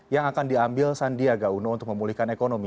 yang akan diambil sandiaga uno untuk memulihkan ekonomi